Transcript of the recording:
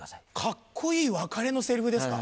カッコいい別れのセリフですか。